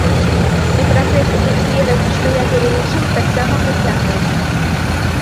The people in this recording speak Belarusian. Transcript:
І прагрэс у тых сферах, што я пералічыў, таксама працягваецца.